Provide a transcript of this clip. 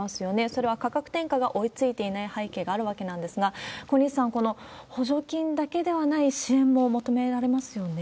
それは価格転嫁が追いついていない背景があるわけなんですが、小西さん、この補助金だけではない支援も求められますよね。